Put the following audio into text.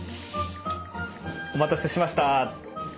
お待たせしました。